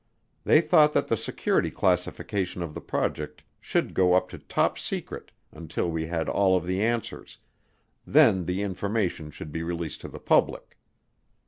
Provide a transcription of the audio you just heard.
They thought that the security classification of the project should go up to Top Secret until we had all of the answers, then the information should be released to the public.